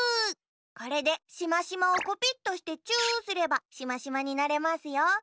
これでしましまをコピットしてチューすればしましまになれますよ。